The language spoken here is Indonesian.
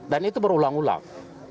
dan itu berulang ulang